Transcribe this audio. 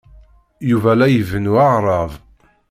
Yuba la ibennu aɣrab.